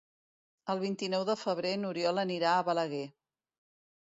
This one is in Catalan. El vint-i-nou de febrer n'Oriol anirà a Balaguer.